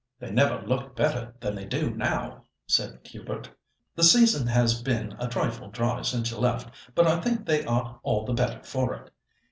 "They never looked better than they do now," said Hubert; "the season has been a trifle dry since you left, but I think they are all the better for it.